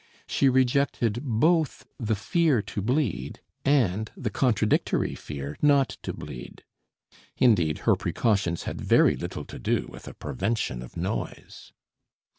She rejected both the fear to bleed and the contradictory fear not to bleed. Indeed her precautions had very little to do with a prevention of noise.